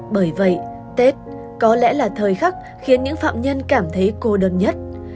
bởi vậy tết có lẽ là thời khắc khiến những phạm nhân cảm thấy cô đơn nhất